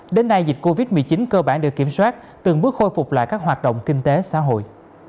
đến nay dịch covid một mươi chín cơ bản được kiểm soát từng bước khôi phục lại các hoạt động kinh tế xã hội